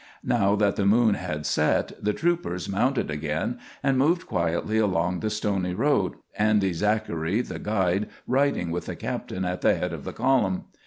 Now that the moon had set, the troopers mounted again and moved quietly along the stony road, Andy Zachary, the guide, riding with the captain at the head of the column.